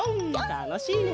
たのしいね！